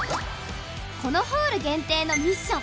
このホール限定のミッション。